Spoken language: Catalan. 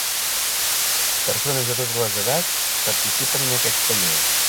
Persones de totes les edats participen en aquests tallers.